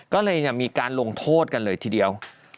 ก็เลยมีการลงโทษกันเลยทีเดียว